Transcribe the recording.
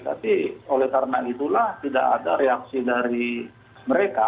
tapi oleh karena itulah tidak ada reaksi dari mereka